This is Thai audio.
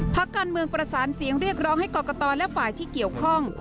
พักการเมืองประสานเสียงเรียกร้องให้กรกตและฝ่ายที่เกี่ยวข้อง